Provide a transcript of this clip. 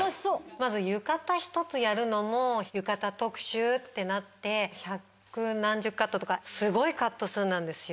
まず浴衣ひとつやるのも浴衣特集ってなって。とかすごいカット数なんですよ。